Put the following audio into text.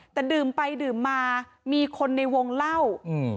แต่ดื่มไปดื่มมามีคนในวงเล่าอืม